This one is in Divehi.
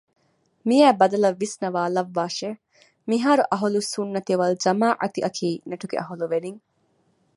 މިއައި ބަދަލަށް ވިސްނަވާލައްވާށެވެ! މިހާރު އަހުލުއްސުންނަތި ވަލްޖަމާޢަތިއަކީ ނެޓްގެ އަހުލުވެރިން